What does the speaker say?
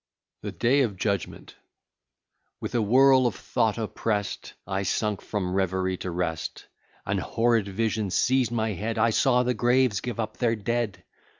THE DAY OF JUDGMENT With a whirl of thought oppress'd, I sunk from reverie to rest. An horrid vision seized my head; I saw the graves give up their dead!